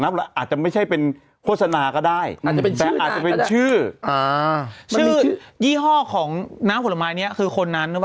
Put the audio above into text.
อาจจะไม่ใช่เป็นโฆษณาก็ได้อาจจะเป็นแต่อาจจะเป็นชื่อชื่อยี่ห้อของน้ำผลไม้นี้คือคนนั้นหรือเปล่า